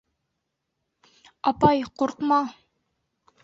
Апай, ҡурҡма!